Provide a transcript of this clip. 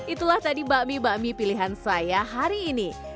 itulah tadi bakmi bakmi pilihan saya hari ini